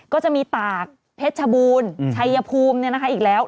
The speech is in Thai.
ก็จะมีตากเพชรชบูรณ์ชัยภูมิอีกแล้ว